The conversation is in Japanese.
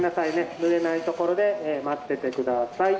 ぬれないところで待ってて下さい。